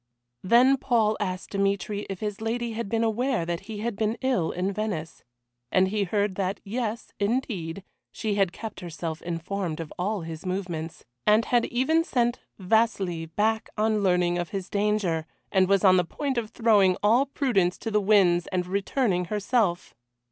Then Paul asked Dmitry if his lady had been aware that he had been ill in Venice. And he heard that, Yes, indeed, she had kept herself informed of all his movements, and had even sent Vasili back on learning of his danger, and was on the point of throwing all prudence to the winds and returning herself.